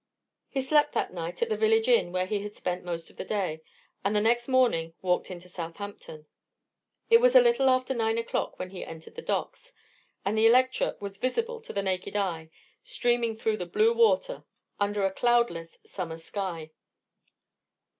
He slept that night at the village inn where he had spent the day, and the next morning walked into Southampton. It was a little after nine o'clock when he entered the docks, and the Electra was visible to the naked eye, steaming through the blue water under a cloudless summer sky.